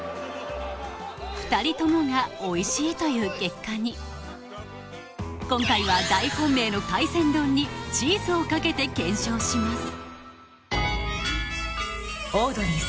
２人ともがおいしいという結果に今回は大本命の海鮮丼にチーズをかけて検証します